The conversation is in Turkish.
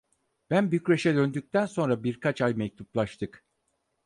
Ben Bükreş'e döndükten sonra birkaç ay mektuplaştık.